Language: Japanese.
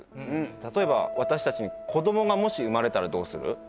例えば私達に子供がもし生まれたらどうする？